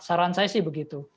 saran saya sih begitu